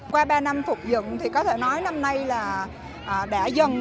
qua ba năm phục dựng thì có thể nói năm nay là đã dần